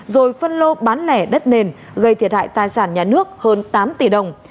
rồi phân lô bán lẻ đất nền gây thiệt hại tài sản nhà nước hơn tám tỷ đồng